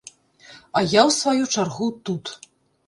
А я ў сваю чаргу тут.